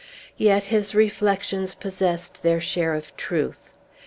Yet his reflections possessed their share of truth.